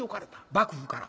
幕府から。